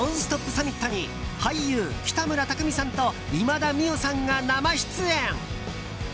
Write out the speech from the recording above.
サミットに俳優・北村匠海さんと今田美桜さんが生出演！